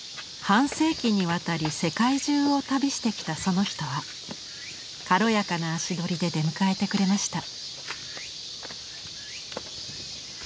半世紀にわたり世界中を旅してきたその人は軽やかな足取りで出迎えてくれました。